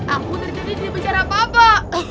aku terjadi di penjara bapak